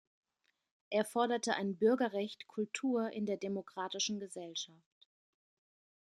Er forderte ein „Bürgerrecht Kultur“ in der demokratischen Gesellschaft.